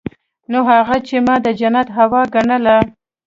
نو هغه چې ما د جنت هوا ګڼله.